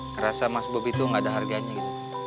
kerasa mas bobby tuh gak ada harganya gitu